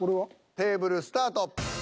テーブルスタート。